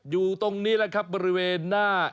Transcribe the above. อยู่ตรงนี้แหละครับบริเวณหน้า